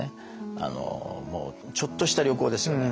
もうちょっとした旅行ですよね。